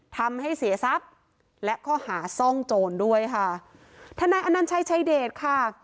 ทำให้เสียทรัพย์และข้อหาซ่องโจรด้วยค่ะทนายอนัญชัยชายเดชค่ะ